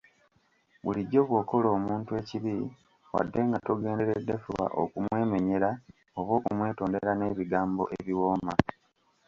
Bulijjo bw’okola omuntu ekibi wadde nga togenderedde fuba okumwemenyera oba okumwetondera n’ebigmbo ebiwooma.